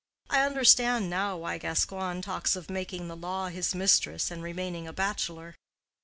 I understand now why Gascoigne talks of making the law his mistress and remaining a bachelor.